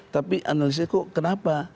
tapi analisis kok kenapa